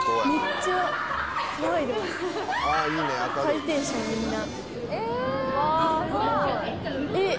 ハイテンションみんな。